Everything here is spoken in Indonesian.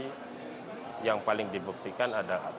membawa perkara perselisihan hasil pilpres atau pemilu ke mahkamah konstitusi